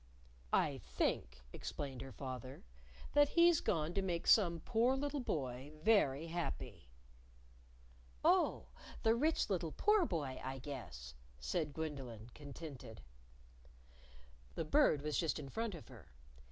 "I think," explained her father, "that he's gone to make some poor little boy very happy." "Oh, the Rich Little Poor Boy, I guess," said Gwendolyn, contented. The Bird was just in front of her.